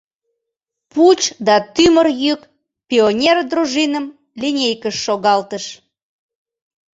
Пуч да тӱмыр йӱк пионер дружиным линейкыш шогалтыш.